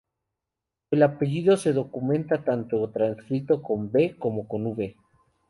El apellido se documenta tanto transcrito con "B" como con "V".